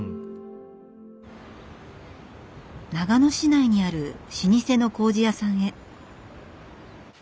長野市内にある老舗のこうじ屋さんへ。